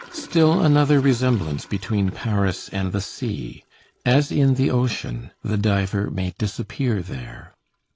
Still another resemblance between Paris and the sea. As in the ocean, the diver may disappear there.